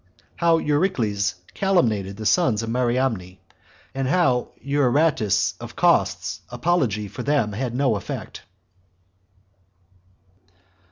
How Eurycles 40 Calumniated The Sons Of Mariamne; And How Euaratus Of Cos's Apology For Them Had No Effect.